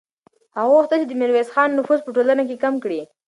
هغه غوښتل چې د میرویس خان نفوذ په ټولنه کې کم کړي.